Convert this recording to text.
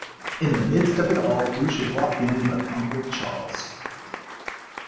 In the midst of it all who should walk in but Uncle Charles.